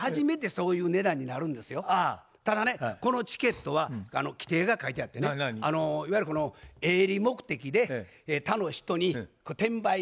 ただねこのチケットは規程が書いてあってねいわゆるこの「営利目的で他の人に転売してはいけません」。